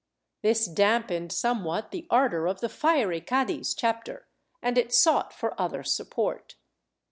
This dampened somewhat the ardor of the fiery Cadiz chapter and it sought for other support.